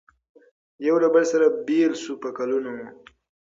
یو له بله سره بېل سو په کلونو